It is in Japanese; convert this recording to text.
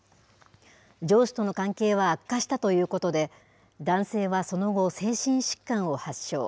上司との関係は悪化したということで、男性はその後、精神疾患を発症。